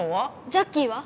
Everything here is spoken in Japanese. ジャッキーは？